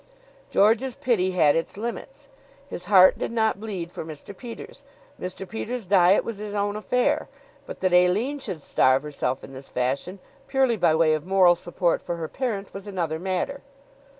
George's pity had its limits. His heart did not bleed for Mr. Peters. Mr. Peters' diet was his own affair. But that Aline should starve herself in this fashion, purely by way of moral support for her parent, was another matter.